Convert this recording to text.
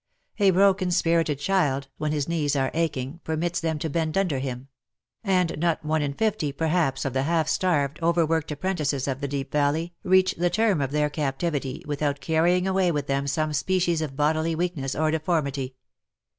A broken spirited child, when his knees are aching, per mits them to bend under him ; and not one in fifty, perhaps, of the half starved, over worked apprentices of the Deep Valley, reached the term of their captivity, without carrying away with them some species of bodily weakness or deformity.